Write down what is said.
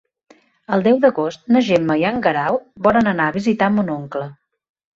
El deu d'agost na Gemma i en Guerau volen anar a visitar mon oncle.